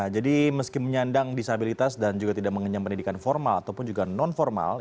jadi meski menyandang disabilitas dan juga tidak mengenyang pendidikan formal ataupun juga non formal